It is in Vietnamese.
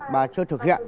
mà chưa thực hiện